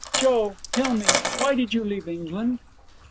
'Joe, tell me, why did you leave England?'